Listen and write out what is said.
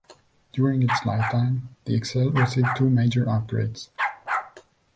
During its lifetime, the Excel received two major upgrades.